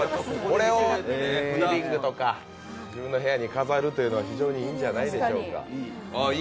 これをリビングとか自分の部屋に飾るというのは、非常にいいんじゃないでしょうか。